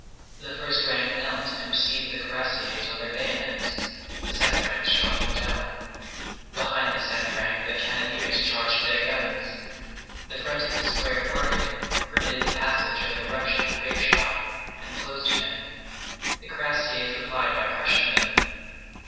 The first rank knelt and received the cuirassiers on their bayonets, the second ranks shot them down; behind the second rank the cannoneers charged their guns, the front of the square parted, permitted the passage of an eruption of grape shot, and closed again. The cuirassiers replied by crushing them.